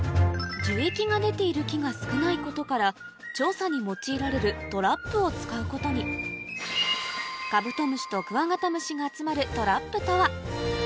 樹液が出ている木が少ないことから調査に用いられるトラップを使うことにカブトムシとクワガタムシが集まるトラップとは？